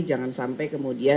jangan sampai kemuliaan